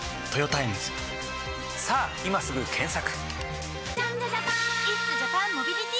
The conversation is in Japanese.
さぁ今すぐ検索！